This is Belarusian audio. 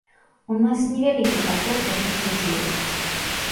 У нас не вялікі паток такіх людзей.